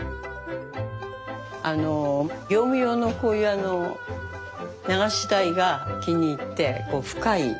業務用のこういう流し台が気に入ってこう深い。